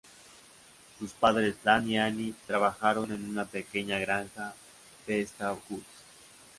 Sus padres, Dan y Annie trabajaron en una pequeña granja de Eastwood.